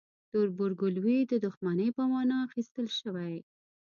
تربورګلوي د دښمنۍ په معنی اخیستل شوی.